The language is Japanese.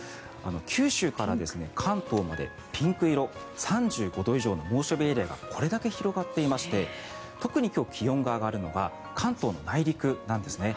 九州から関東までピンク色３５度以上の猛暑日エリアがこれだけ広がっていまして特に今日、気温が上がるのが関東の内陸なんですね。